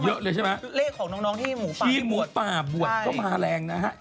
เยอะเลยใช่ไหมพี่หมูป่าบวชเลขของน้องที่หมูป่าบวชก็มาแรงนะฮะ